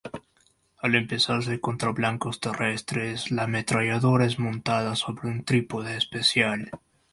Al emplearse contra blancos terrestres, la ametralladora es montada sobre un trípode especial.